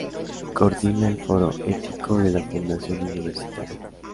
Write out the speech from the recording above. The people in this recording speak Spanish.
Coordina el Foro Ético de la Fundación Universitaria.